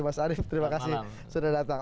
mas arief terima kasih sudah datang